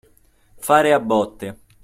Fare a botte.